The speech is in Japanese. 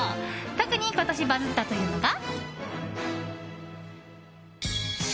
特に今年バズったというのが。